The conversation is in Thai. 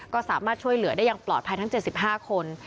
ก็สามารถช่วยเหลือได้อย่างปลอดภัยทั้ง๗๕คน